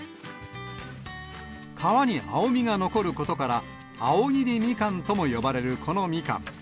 皮に青みが残ることから、青切りみかんとも呼ばれるこのみかん。